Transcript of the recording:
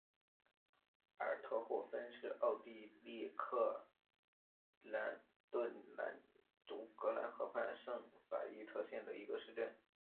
阿尔特霍芬是奥地利克恩顿州格兰河畔圣法伊特县的一个市镇。